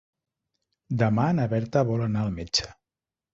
Demà na Berta vol anar al metge.